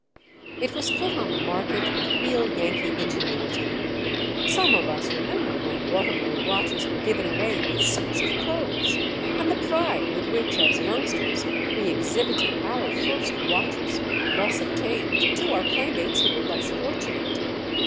It was put on the market with real Yankee ingenuity. Some of us remember when Waterbury watches were given away with suits of clothes, and the pride with which, as youngsters, we exhibited our first watches thus obtained to our playmates who were less fortunate.